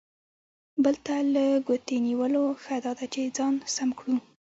بل ته له ګوتې نیولو، ښه دا ده چې ځان سم کړو.